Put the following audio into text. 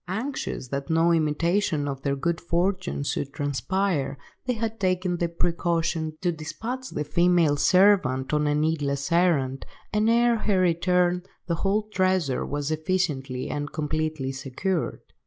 Anxious that no intimation of their good fortune should transpire, they had taken the precaution to despatch the female servant on a needless errand, and ere her return the whole treasure was efficiently and completely secured.